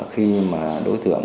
khi mà đối tượng